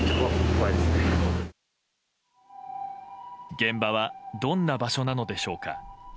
現場はどんな場所なのでしょうか。